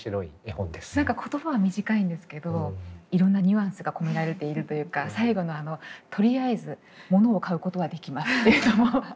何か言葉は短いんですけどいろんなニュアンスが込められているというか最後のあのとりあえず「物」を買うことができますっていうのも何か。